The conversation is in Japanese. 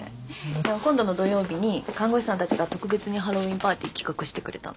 今度の土曜日に看護師さんたちが特別にハロウィーンパーティー企画してくれたの。